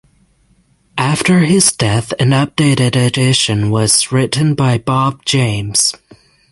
After his death an updated edition was written by Bob James.